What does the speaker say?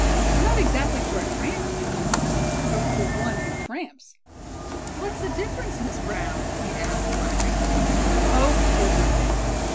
"Not exactly for a tramp," answered Molly; "but for one who tramps." "What's the difference, Miss Brown?" he asked laughing. "Oh, everything.